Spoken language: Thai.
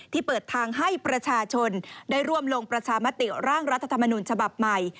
เปิดทางให้ประชาชนได้ร่วมลงประชามติร่างรัฐธรรมนุนฉบับใหม่